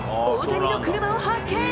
大谷の車を発見。